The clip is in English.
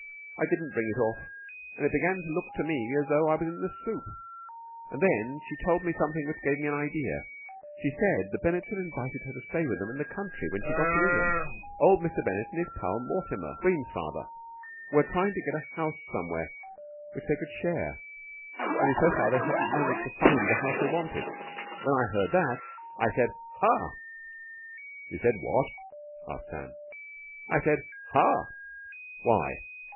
I didn't bring it off, and it began to look to me as though I was in the soup. And then she told me something which gave me an idea. She said the Bennetts had invited her to stay with them in the country when she got to England, Old Mr. Bennett and his pal Mortimer, Bream's father, were trying to get a house somewhere which they could share. Only so far they hadn't managed to find the house they wanted. When I heard that, I said 'Ha!'" "You said what?" asked Sam. "I said 'Ha!'" "Why?"